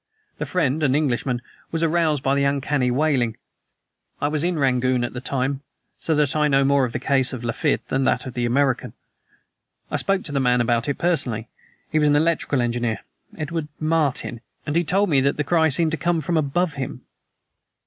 The friend an Englishman was aroused by the uncanny wailing. I was in Rangoon at the time, so that I know more of the case of Lafitte than of that of the American. I spoke to the man about it personally. He was an electrical engineer, Edward Martin, and he told me that the cry seemed to come from above him."